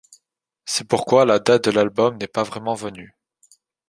C'est pourquoi la date de l'album n'est pas vraiment venue.